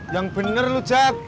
yang bener lo jack